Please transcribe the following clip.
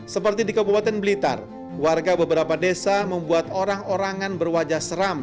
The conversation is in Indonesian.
seperti di kabupaten blitar warga beberapa desa membuat orang orangan berwajah seram